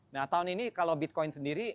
nah tahun ini kalau bitcoin sendiri